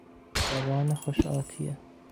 جوان خوش آتیه